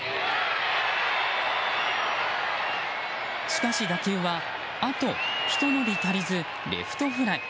しかし打球はあとひと伸び足りずレフトフライ。